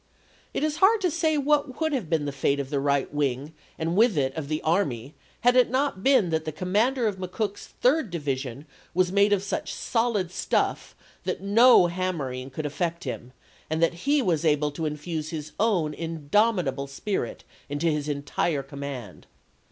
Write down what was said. It is hard to say what would have been the fate of the right wing and with it of the army had it not been that the com mander of McCook's third division was made of such solid stuff that no hammering could affect him, and that he was able to infuse his own in domitable spirit into his entire command.